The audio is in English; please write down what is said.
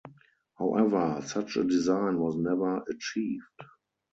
However, such a design was never achieved.